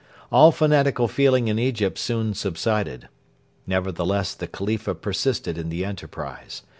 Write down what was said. All fanatical feeling in Egypt soon subsided. Nevertheless the Khalifa persisted in the enterprise.